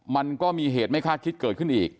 มันก็มีเหตุไม่คาดคิดเกิดขึ้นอีก